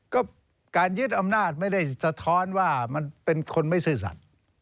ก็การยึดอำนาจไม่ได้สะท้อนว่ามันเป็นคนไม่ซื่อสัตว์